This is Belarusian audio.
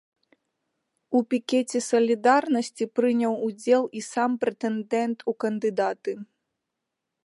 У пікеце салідарнасці прыняў удзел і сам прэтэндэнт у кандыдаты.